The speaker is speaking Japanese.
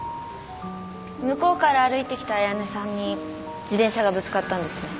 向こうから歩いてきた綾音さんに自転車がぶつかったんですね？